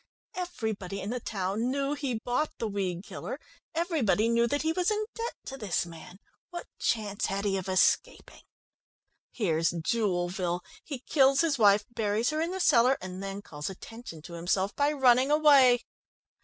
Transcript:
Everybody in the town knew he bought the weed killer; everybody knew that he was in debt to this man. What chance had he of escaping? Here's Jewelville he kills his wife, buries her in the cellar, and then calls attention to himself by running away.